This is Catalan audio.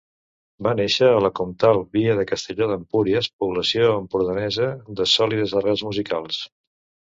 Va néixer a la comtal vila de Castelló d'Empúries, població empordanesa de sòlides arrels musicals.